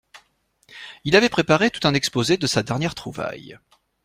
Il avait préparé tout un exposé de sa dernière trouvaille.